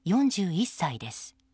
４１歳です。